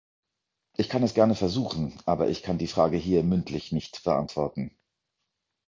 Ich kann es gerne versuchen, aber ich kann die Frage hier mündlich nicht beantworten.